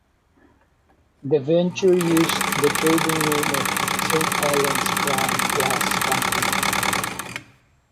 The venture used the trading name of "Saint Helens Crown Glass Company".